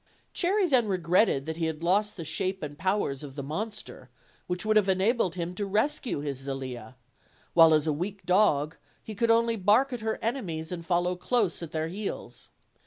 Cherry then regretted that he had lost the shape and powers of the monster, which would have enabled him to rescue his Zelia; while as a weak dog, he could only bark at her enemies and follow close at their heels.